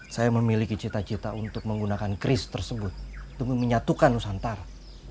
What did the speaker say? saya memiliki cita cita untuk menggunakan kris tersebut demi menyatukan nusantara